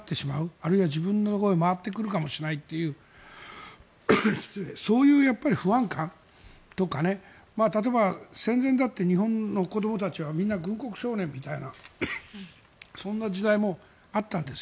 あるいは自分のところへ回ってくるかもしれないというそういう不安感とか例えば、戦前だって日本の子どもたちはみんな軍国少年みたいなそんな時代もあったんです。